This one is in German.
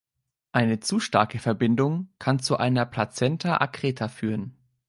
Eine zu starke Verbindung kann zu einer Placenta accreta führen.